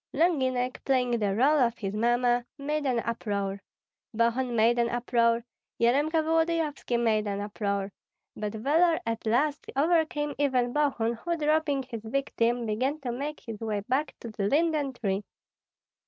Longinek, playing the rôle of his mamma, made an uproar, Bogun made an uproar, Yaremka Volodyovski made an uproar; but valor at last overcame even Bogun, who, dropping his victim, began to make his way back to the linden tree.